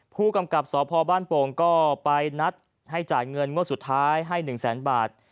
ผู้กำกับสพบ้านโป่งก็ไปนัดให้จ่ายเงินงวดสุดท้ายให้๑แสนบาท